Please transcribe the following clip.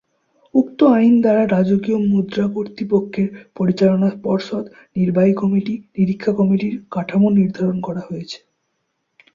উক্ত আইন দ্বারা রাজকীয় মুদ্রা কর্তৃপক্ষের পরিচালনা পর্ষদ, নির্বাহী কমিটি, নিরীক্ষা কমিটির কাঠামো নির্ধারণ করা হয়েছে।